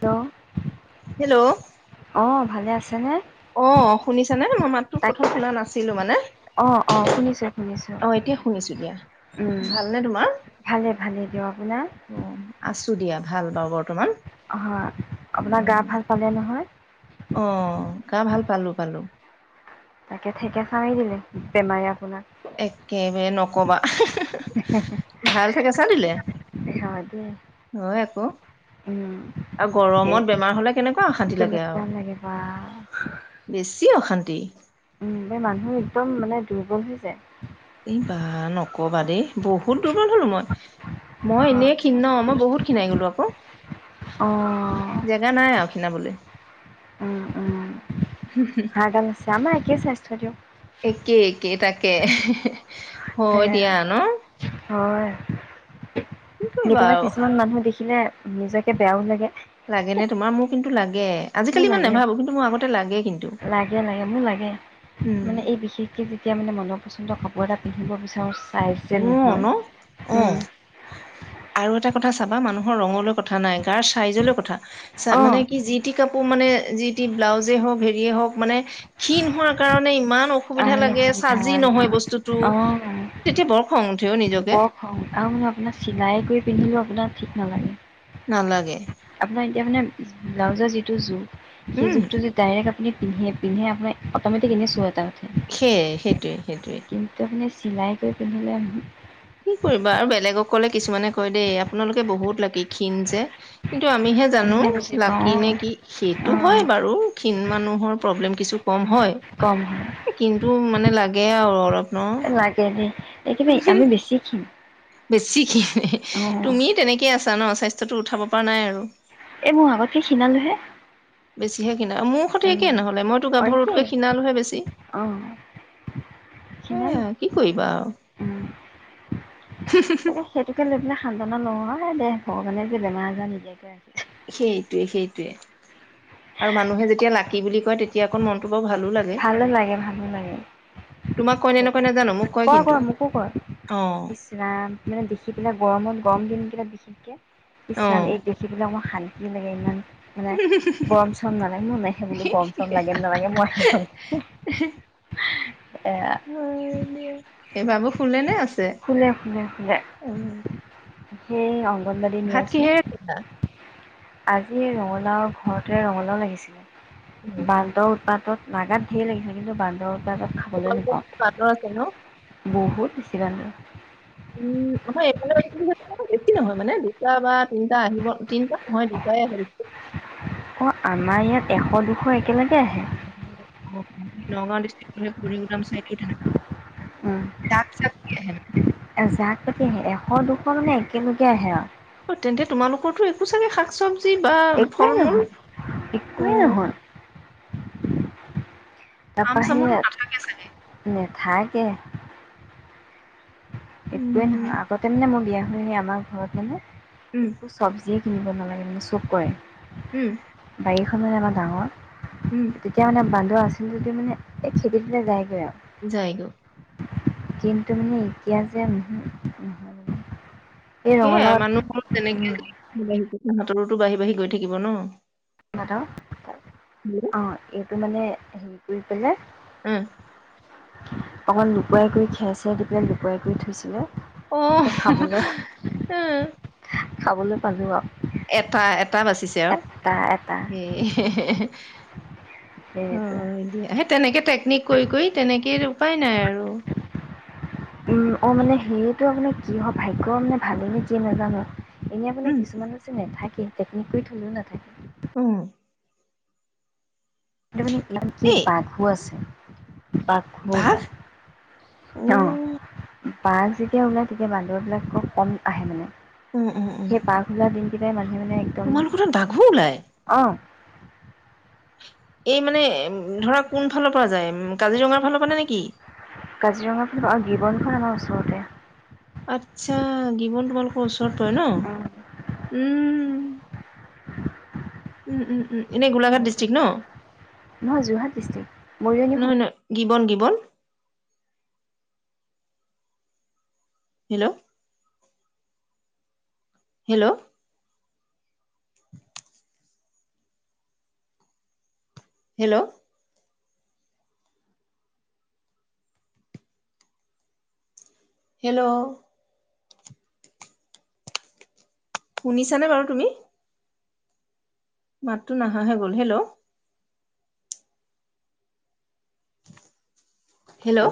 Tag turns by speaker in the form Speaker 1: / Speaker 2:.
Speaker 1: ত [unintelligible]
Speaker 2: hello,
Speaker 1: অঁ ভালে আছেনে?
Speaker 2: অ শুনিছানে? মই মাতটোক
Speaker 1: তাক
Speaker 2: প্ৰথম শুনা নাছিলো মানে।
Speaker 1: অ অ শুনিছোঁ শুনিছোঁ
Speaker 2: অ এতিয়া শুনিছো দিয়া।
Speaker 1: উম
Speaker 2: ভালনে তোমাৰ?
Speaker 1: ভালে ভালেই দিয়ক আপোনাৰ
Speaker 2: আছো। টো দিয়া ভাল বাও বৰ্তমান।
Speaker 1: হয় আপোনাৰ গা
Speaker 2: উম
Speaker 1: ভাল পালে নহয়?
Speaker 2: অ গা ভাল পালো পালো।
Speaker 1: তাকে ঠেকেচা মাৰি দিলে বেমাৰে আপোনাক।
Speaker 2: একেবাৰে নকবা [unintelligible] ভাল থাকেচা দিলে
Speaker 1: হয় দেই
Speaker 2: হয় আক,
Speaker 1: উম
Speaker 2: আৰু
Speaker 1: এ
Speaker 2: গৰমত বেমাৰ হলে কেনেকুৱা অশান্তি লাগে আও
Speaker 1: কেনেকুৱা লাগে বা
Speaker 2: বেছি অশান্তি। দেই
Speaker 1: এই মানুহ একদম মানে দুৰ্বল হৈ যায়।
Speaker 2: এই বা নকবা দেই, বহুত দুৰ্বল হলো মই। মই
Speaker 1: হয়
Speaker 2: এনেই খিন ন, মই বহুত খিনাই গলো আকৌ। ক [inaudible]
Speaker 1: [unintelligible] অঁ অ
Speaker 2: কিনা [unintelligible]
Speaker 1: [unintelligible] কি স্বাস্থ্য দিয়ক।
Speaker 2: একে- একে তাকে, -কে,
Speaker 1: হে
Speaker 2: হয় দিয়া ন?
Speaker 1: হয়।
Speaker 2: কি কৰিবা
Speaker 1: কেতিয়াবা
Speaker 2: আৰু
Speaker 1: কিছুমান মানুহ দেখি, দেখিলে নিজকে বেয়াও লাগে।
Speaker 2: লাগে নে তোমাৰ? মোৰ কিন্তু লাগে।
Speaker 1: মোৰ
Speaker 2: আজিকালি ইমান
Speaker 1: লাগে।
Speaker 2: নাভাবো কিন্তু মোৰ আগতে লাগে কিন্তু
Speaker 1: লাগে -লাগে, মোৰ লাগে
Speaker 2: উম
Speaker 1: মানে এই বিশেষকে যেতিয়া মানে মনৰ পচন্দৰ কাপোৰ, ৰ্তা এটা পিন্ধিব বিচাৰোঁচ,
Speaker 2: উম ', -ন', -অ', আৰু এটা কথা, চাবা মানুহৰ ৰঙলৈ কথা নাই গাৰ চাইজলৈ কথা। ছা
Speaker 1: অ
Speaker 2: মানে কি, যি টি কাপোৰ মানে, যি, টি ব্লাউজে হওক, হেৰিয়ে হওক, মানে ক্ষীণ হোৱাৰ কাৰণে ইমান, অসুবিধা
Speaker 1: আৰামে
Speaker 2: লাগে
Speaker 1: সুবিধা
Speaker 2: চাজি নহয়, বস্তুতটো।
Speaker 1: অ বৰ খং আৰু মানে আপোনাক চিলাই কৰি পিন্ধিলো আপোনাক, ঠিক নালাগে।
Speaker 2: নালাগে।
Speaker 1: আপোনাৰ এতিয়া মানে ব্লাউজৰ যিটো জুগ, সেই
Speaker 2: উম
Speaker 1: যুগটো যে ডাইৰেক্ট আপুনি, পিন্ধে- পিন্ধে আপোনি অটমেটিক এনেছো এটা।
Speaker 2: সেয়ে সেইটোৱে। সেইটোৱে
Speaker 1: কিন্তু আপনি, চিলাই কৰি পিন্ধিলেওঁ নহয়।
Speaker 2: কি কৰিবা আৰু বেলেগক কলে, কিছুমানে কয় দেই আপোনালোকে বহুত লাকী ক্ষীণ যে কি, -টো আমিহে জানো
Speaker 1: বুজি
Speaker 2: লাকি
Speaker 1: পাওঁ অ
Speaker 2: নে কি
Speaker 1: অ
Speaker 2: সেইটো হয় বাৰু ক্ষীণ মানুহৰ, প্ৰব্লেম কিছু কম। হয়,
Speaker 1: কম হয়
Speaker 2: কিন্তু মানে লাগে, -গে আৰু অলপ। ন
Speaker 1: লাগে দেই। এইকিবে আমি বেছি ক্ষীণ।
Speaker 2: বেছি ক্ষীণ।
Speaker 1: অ
Speaker 2: তুমি তেনেকে আছা। জান স্বাস্থ্যটো উঠাব পৰা নাই আৰু।
Speaker 1: এই মোৰ আগতকে খিনালো হে।
Speaker 2: সে একে নহলে মইতো
Speaker 1: অ
Speaker 2: গাভৰুতকে
Speaker 1: একেই
Speaker 2: খীণালোহে বেছি।
Speaker 1: অঁ সিমান
Speaker 2: সেয়া কি কৰিবা আৰু
Speaker 1: উম,
Speaker 2: হু হুম হম
Speaker 1: নহয় অ দে ভগৱানে যে বেমাৰ আজাৰ নিদিয়াকে আছে।
Speaker 2: সেইটোৱে, সেইটোৱে। আৰু মানুহে যেতিয়া লাকি বুলি কয় তেতিয়া আকৌ মনটো। বৰ ভালো লাগে।
Speaker 1: ভালো লাগে ভালো লাগে
Speaker 2: তোমাক কয় নে নকয় নাজানো মোক
Speaker 1: ক
Speaker 2: কয়
Speaker 1: ক
Speaker 2: কিন্তু
Speaker 1: মোকো ক ইচৰাম মানে দেখি পেলা গৰমত গৰম দিন কেইাক বি কে। ইছলাম
Speaker 2: অ',
Speaker 1: এইক দেখিপেলাই মই শান ন্তি লাগে ন। মানে গম চম নালাগে মই সে বুলি গৰম চম লাগে নালাগে মই নাজানো
Speaker 2: ইহি [unintelligible]
Speaker 1: এ
Speaker 2: মিঅ ভিঅ সেইবাবে ফুলে নে আছ
Speaker 1: ফুলে ফুলে ফুলে সেই অ
Speaker 2: ভাত কিহেৰে খালা
Speaker 1: আজি ৰঙালাও ঘৰতে ৰঙালাও লাগিছিলে বানদৰ উৎপাতত লাগাত ঢেৰ লাগিছে কিন্তু বান্দৰ কিবা খাবলৈ
Speaker 2: তোমালোকৰ বান্দৰ আছে ন?
Speaker 1: নাপাওঁ বহুত ইছৰাম
Speaker 2: উম, আমাৰ এইফালে বেছি নহয় মানে দুটা বা তিনিটা আহিব তিনটা মই দুটাই আহে বেছি
Speaker 1: অ আমাৰ ইয়াত এশ দু হয়
Speaker 2: [unintelligible] নগাঁও ডিষ্ট্ৰত
Speaker 1: উম,
Speaker 2: তা পিছত কি আহে নো
Speaker 1: তাকেহে এশ দুশ মানে একেলগে আহে আৰু
Speaker 2: অ তেন্তে তোমালোকৰতো একো চাগে শাক চব্জি
Speaker 1: একোৱেই নহয় একোৱেই
Speaker 2: অ'
Speaker 1: নহয় তা
Speaker 2: আম
Speaker 1: পা
Speaker 2: চামোতো
Speaker 1: হেয়া
Speaker 2: নাথাকে চাগে?
Speaker 1: নাখাই তাকে একোৱে
Speaker 2: উম,
Speaker 1: নহয় আগতে মানে মই বিয়া এই আমাৰ ঘৰত মানে
Speaker 2: উম,
Speaker 1: একো চব্জি যি কিনিব নালাগে মই চব কৰে
Speaker 2: উম
Speaker 1: গাড়ীখননে আমাৰ ডাঙৰ
Speaker 2: উম,
Speaker 1: তিতিয়া মানে বান [unintelligible] আছিল যদি মানে এই খেদি দিলে যায়গৈ আৰু
Speaker 2: যাইগ'
Speaker 1: কিন্তু মানে এতিয়া যে [unintelligible]
Speaker 2: সেয়াই
Speaker 1: ৰঙালাওত
Speaker 2: মানুহৰ তেনেকে [unintelligible] সিহঁতৰোতো বাঢ়ি বাঢ়ি গৈ থাকিব ন
Speaker 1: নাত অ এইটো মানে- হেৰি কৰি পেলাই
Speaker 2: উম
Speaker 1: অকমান লুকুৱাই কৰি খেৰ চেৰ দি পেলাই লুকুৱাই কৰি থৈছিলে
Speaker 2: অ উম
Speaker 1: সেই
Speaker 2: হু
Speaker 1: খাবলৈ
Speaker 2: হু উম
Speaker 1: খাবলৈ পালোঁ আৰু
Speaker 2: এটা এটা এটা বাচিছে আৰু
Speaker 1: এটা এটা
Speaker 2: হে হে হে হে অ
Speaker 1: সেইটো
Speaker 2: দিয়া সেই তেনেকে টেকনিক কৰি কৰি তেনেকে উপায় নাই আৰু
Speaker 1: উম অ মানে সেইটো আপোনাৰ কি হয় ভাগ্য মানে ভালে নে কিয়ে নাজানো এনে আপনে
Speaker 2: উম,
Speaker 1: কিছুমানৰ যে নেথাকে কি টেকনিক কৈ থ'লেও নাথাকে
Speaker 2: উম
Speaker 1: এতিয়া মানে ইমান কি
Speaker 2: এই
Speaker 1: বাঘু আছে। উ পাখো
Speaker 2: বাঘ
Speaker 1: নাই অ বাঘ যেতিয়া ওলায় তেতিয়া বান্দৰবিলাক খুব কম আহে মানে
Speaker 2: উম, উম, উম,
Speaker 1: সেই বাঘ ওলা দিন দিলে মানে একদম
Speaker 2: তোমালোকৰ তাত বাঘো ওলাই
Speaker 1: অঁ
Speaker 2: এই মানে ধৰা কোন ফালৰ পৰা যায় উম, কাজিৰঙাৰ ফালৰ পৰা নেকি?
Speaker 1: কাজিৰঙা ফাল গিবনখন আমাৰ ওচ ওচৰতে
Speaker 2: আচ্ছা গীৱন তোমালোকৰ ওচৰত পৰে ন উম উম, উম, উম। এনে গোলাঘাট ডিষ্ট্ৰিক ন,
Speaker 1: নহয় যোৰহাট ডিষ্ট্ৰিক্ট মৰিয়নি
Speaker 2: ন, ন। জীবন গিবন। হেল্ল'। হেল্ল'। হেল্ল'। হেল্ল'। শুনিছানে বাৰু তুমি। মাতটো নাহাাহে গ'ল হেল্ল'। হেল্ল'।